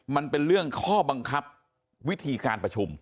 มันเป็นเรื่องข้อบังคับวิธีการประชุม